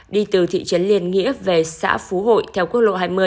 đi từ thị trấn liên nghĩa về xã phú hội theo quốc lộ hai mươi